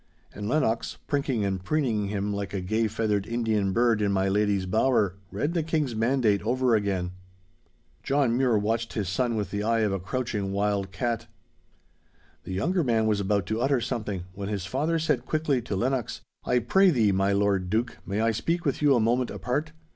And Lennox, prinking and preening him like a gay feathered Indian bird in my lady's bower, read the King's mandate over again. John Mure watched his son with the eye of a crouching wild cat. The younger man was about to utter something, when his father said quickly to Lennox, 'I pray thee, my Lord Duke, may I speak with you a moment apart?